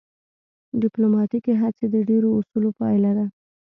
ډیپلوماتیکې هڅې د ډیرو اصولو پایله ده